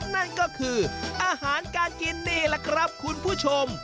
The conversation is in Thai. นั่นก็คืออาหารการกินนี่แหละครับคุณผู้ชม